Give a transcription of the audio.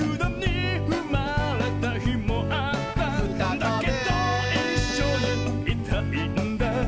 「だけどいっしょにいたいんだ」